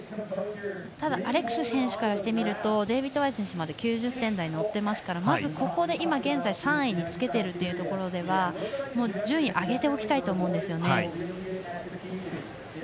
ただ、アレックス選手からしてみるとデイビッド・ワイズ選手は９０点台に乗っているのでまずここで今現在３位につけているというところでは順位を上げておきたいと思うんですよね。